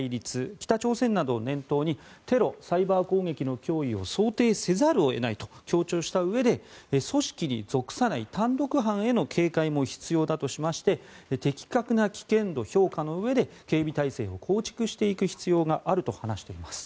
北朝鮮などを念頭にテロ・サイバー攻撃の脅威を想定せざるを得ないと強調したうえで組織に属さない単独犯への警戒も必要だとしまして的確な危険度評価のうえで警備体制を構築していく必要があるとしています。